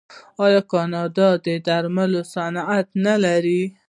آیا کاناډا د درملو صنعت نلري؟